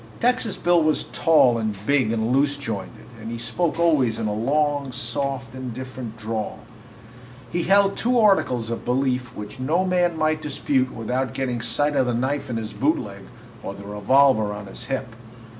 Texas Bill was tall and big and loose jointed, and he spoke always in a long, soft, indifferent drawl. He held two articles of belief which no man might dispute without getting sight of the knife in his bootleg or the revolver on his hip.